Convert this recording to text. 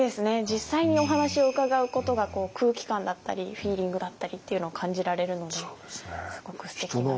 実際にお話を伺うことが空気感だったりフィーリングだったりっていうのを感じられるのですごくすてきな。